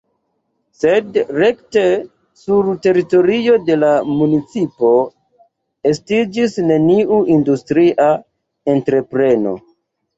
Sed rekte sur teritorio de la municipo estiĝis neniu industria entrepreno.